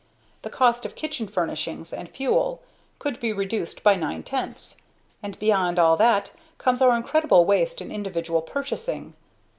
The cost of kitchen furnishings and fuel, could be reduced by nine tenths; and beyond all that comes our incredible waste in individual purchasing.